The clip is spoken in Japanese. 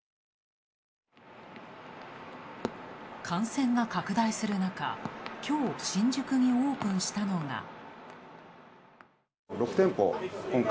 感染が拡大するなか、きょう新宿にオープンしたのが。